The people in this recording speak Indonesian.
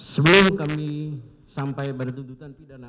sebelum kami sampai pada tuntutan pidana